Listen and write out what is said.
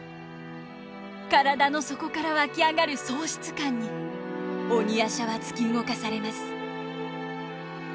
体の底から湧き上がる喪失感に鬼夜叉は突き動かされます。